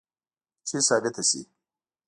چې ثابته شي